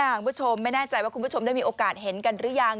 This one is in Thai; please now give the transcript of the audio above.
คุณผู้ชมไม่แน่ใจว่าคุณผู้ชมได้มีโอกาสเห็นกันหรือยัง